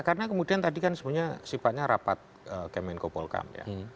karena kemudian tadi kan sebenarnya sifatnya rapat kemenko polkam ya